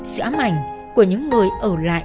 sự ám ảnh của những người ẩu lại